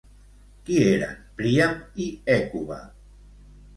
Qui eren Príam i Hècuba?